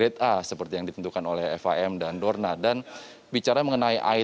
dan tentunya sirkuit mandalika ini sudah mengantung